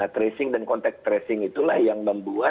tracing dan kontak tracing itulah yang membuat